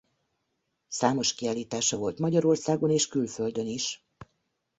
Számos kiállítása volt Magyarországon és külföldön is.